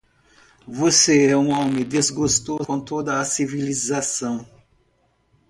Você é um homem desgostoso com toda a civilização.